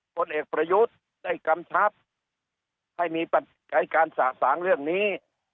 คนเอกประยุทธ์ได้กำทับให้มีปัจจัยการสาธารณ์เรื่องนี้